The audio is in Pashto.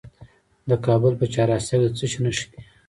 د کابل په چهار اسیاب کې د څه شي نښې دي؟